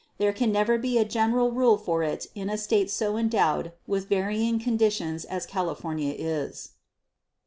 There can never be a general rule for it in a State so endowed with varying conditions as California is.